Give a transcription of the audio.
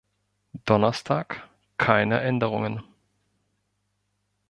Donnerstag: keine Änderungen.